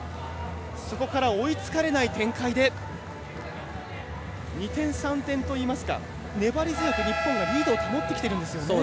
そこから追いつかれない展開で２点、３点といいますか粘り強く日本がリードを保ってきてるんですよね。